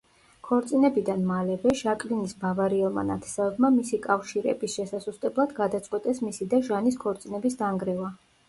ქორწინებიდან მალევე, ჟაკლინის ბავარიელმა ნათესავებმა, მისი კავშირების შესასუსტებლად გადაწყვიტეს მისი და ჟანის ქორწინების დანგრევა.